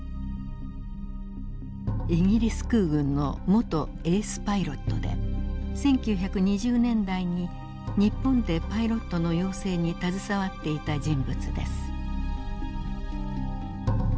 イギリス空軍の元エースパイロットで１９２０年代に日本でパイロットの養成に携わっていた人物です。